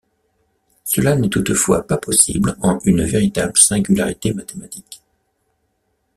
Cela n'est toutefois pas possible en une véritable singularité mathématique.